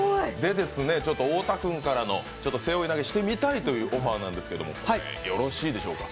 太田君からの、背負い投げしてみたいというオファーなんですけど、よろしいでしょうか。